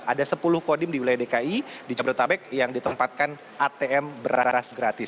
ada sepuluh kodim di wilayah dki di jabodetabek yang ditempatkan atm berararas gratis